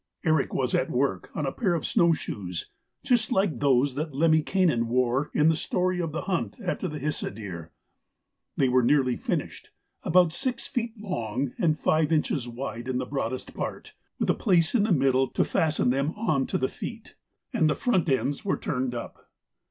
Erik was at work on a pair of snow shoes, just like those that Lemminkainen wore in the story of the hunt after the Hisi deer. They were nearly finished about six feet long and five inches wide in the broadest part, with a place in the middle to fasten them on to the feet, and the front ends were turned up.